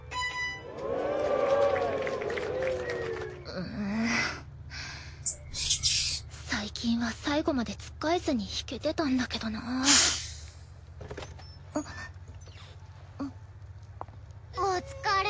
うん最近は最後までつっかえずに弾けてたんだけどなお疲れ。